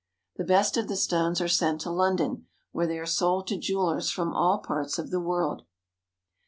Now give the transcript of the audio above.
The best of the stones are sent to London, where they are sold to jewelers from all parts of the world.